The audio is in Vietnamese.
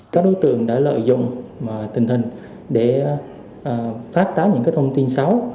các đối tượng đã lợi dụng tình hình để phát tán những thông tin xấu